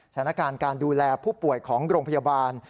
สถานการณ์การดูแลผู้ป่วยของโรงพยาบาล